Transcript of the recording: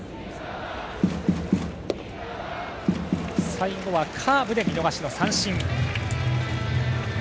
最後はカーブで見逃しの三振。